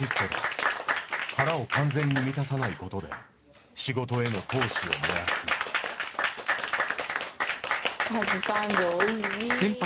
腹を完全に満たさないことで仕事への闘志を燃やすカツサンドおいし。